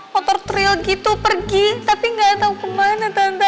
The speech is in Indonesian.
motor tril gitu pergi tapi gak tau kemana tante